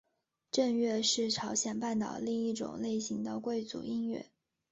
正乐是朝鲜半岛另一种类型的贵族音乐。